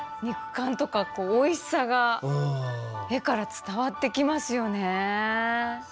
肉感とかこうおいしさが絵から伝わってきますよねぇ。